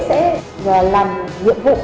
sẽ làm nhiệm vụ